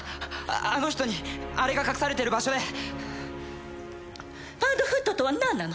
あの人にあれが隠されてる場所でパッドフットとは何なの？